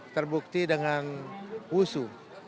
terbukti dengan wusu